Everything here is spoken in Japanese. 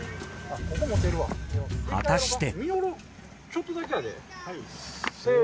果たして。